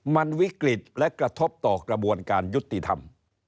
มันวิกฤตและกระทบต่อกระบวนการยุติธรรม